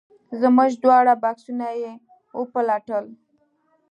زموږ دواړه بکسونه یې وپلټل.